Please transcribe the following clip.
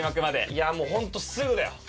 いやもう本当すぐだよ。